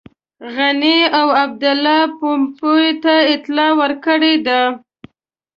غني او عبدالله پومپیو ته اطلاع ورکړې ده.